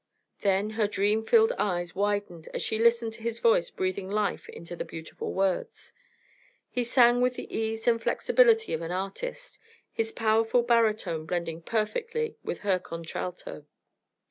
Then her dream filled eyes widened as she listened to his voice breathing life into the beautiful words. He sang with the ease and flexibility of an artist, his powerful baritone blending perfectly with her contralto.